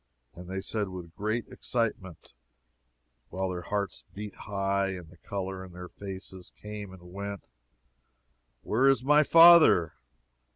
And they said, with great excitement, while their hearts beat high, and the color in their faces came and went, Where is my father?